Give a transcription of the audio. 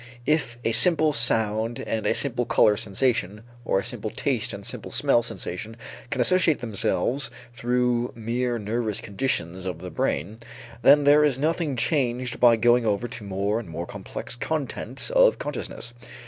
If a simple sound and a simple color sensation, or a simple taste and simple smell sensation, can associate themselves through mere nervous conditions of the brain, then there is nothing changed by going over to more and more complex contents of consciousness.